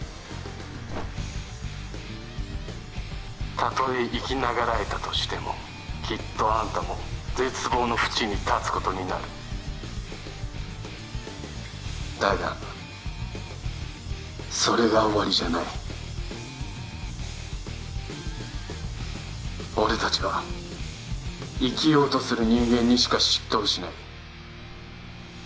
たとえ生きながらえたとしてもきっとあんたも絶望のふちに立つことになるだがそれが終わりじゃない俺達は生きようとする人間にしか執刀しない